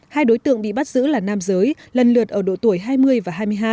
hai đối tượng bị bắt giữ là nam giới lần lượt ở độ tuổi hai mươi và hai mươi hai